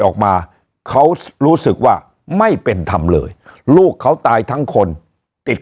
ออกมาเขารู้สึกว่าไม่เป็นธรรมเลยลูกเขาตายทั้งคนติด